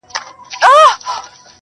چي پر سر باندي یې وکتل ښکرونه -